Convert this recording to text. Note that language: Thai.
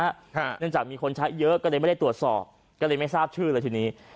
เนื่องจากมีคนใช้เยอะก็เลยไม่ได้ตรวจสอบก็เลยไม่ทราบชื่อเลยทีนี้